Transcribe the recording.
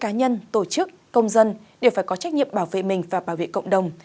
cá nhân tổ chức công dân đều phải có trách nhiệm bảo vệ mình và bảo vệ cộng đồng